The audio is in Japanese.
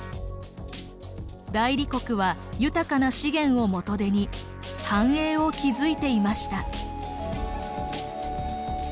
大理国は豊かな資源を元手に繁栄を築いていました。